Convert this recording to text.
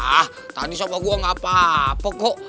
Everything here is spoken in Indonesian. ah tadi sama gua gak apa apa kok